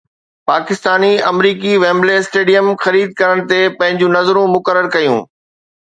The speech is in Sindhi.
پاڪستاني-آمريڪي ويمبلي اسٽيڊيم خريد ڪرڻ تي پنهنجون نظرون مقرر ڪيون